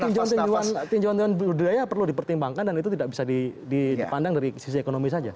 tinjauan tinjauan budaya perlu dipertimbangkan dan itu tidak bisa dipandang dari sisi ekonomi saja